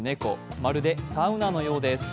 まるでサウナのようです。